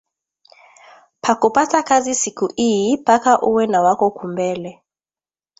Pakupata kazi siku iyi paka uwe na wako ku mbele